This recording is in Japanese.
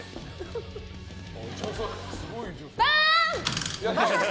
バーン！